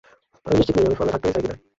আমি নিশ্চিত নই আমি ফার্মে থাকতে চাই কি-না।